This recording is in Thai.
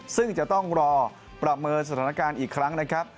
ซึ่งจะต้องรอประเมินสถานการณ์อีกครั้งนะครับ